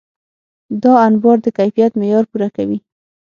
دا انبار د کیفیت معیار پوره کوي.